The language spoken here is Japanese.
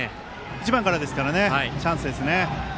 １番からですからチャンスですね。